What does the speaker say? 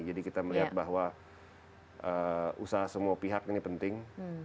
jadi kita melihat bahwa usaha semua pihak ini penting